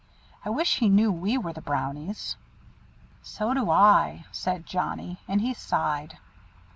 I wish he knew we were the Brownies." "So do I," said Johnnie; and he sighed.